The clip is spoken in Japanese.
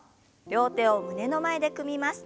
両手を胸の前で組みます。